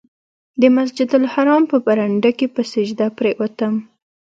د مسجدالحرام په برنډه کې په سجده پرېوتم.